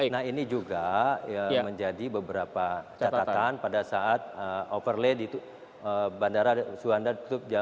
nah ini juga menjadi beberapa catatan pada saat overlay di bandara juanda tutup jam dua puluh